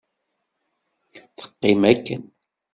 Teqqim akken…